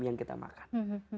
yang kita makan